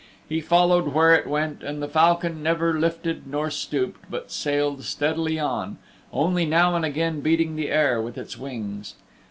He followed where it went and the falcon never lifted nor stooped, but sailed steadily on, only now and again beating the air with its wings.